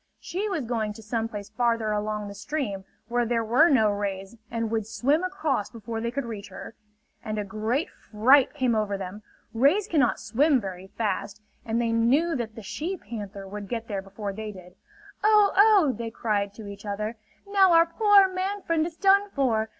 She was going to some place farther along the stream where there were no rays and would swim across before they could reach her. And a great fright came over them. Rays cannot swim very fast, and they knew that the she panther would get there before they did. "Oh, oh!" they cried to each other. "Now our poor man friend is done for.